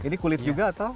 ini kulit juga atau